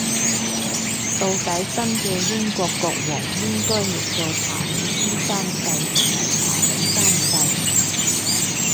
到底新嘅英國國王應該譯做查理斯三世定係查理三世